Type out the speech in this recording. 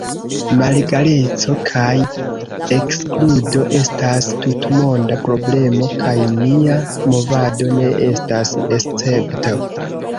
Malegaleco kaj ekskludo estas tutmonda problemo, kaj nia movado ne estas escepto.